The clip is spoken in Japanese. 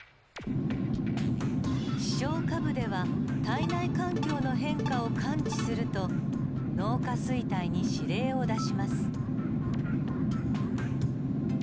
視床下部では体内環境の変化を感知すると脳下垂体に指令を出します。